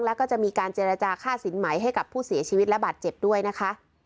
แล้วก็จะมีการเจรจาค่าสินไหมให้กับผู้เสียชีวิตและบาดเจ็บด้วยนะคะ